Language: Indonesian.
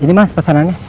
ini mas pesanannya